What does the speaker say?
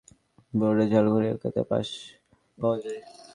পরের দিন নারায়ণগঞ্জ লিংক রোডের জালকুড়ি এলাকায় তাঁর লাশ পাওয়া যায়।